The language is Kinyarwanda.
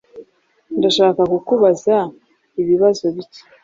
Ndashaka kukubaza ibibazo bike.